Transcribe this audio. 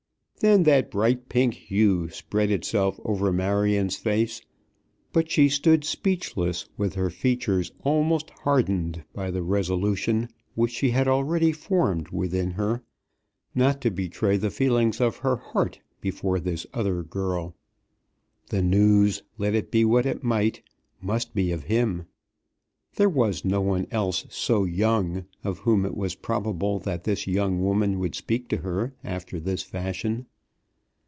Then that bright pink hue spread itself over Marion's face; but she stood speechless with her features almost hardened by the resolution which she had already formed within her not to betray the feelings of her heart before this other girl. The news, let it be what it might, must be of him! There was no one else "so young," of whom it was probable that this young woman would speak to her after this fashion.